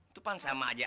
itu kan sama aja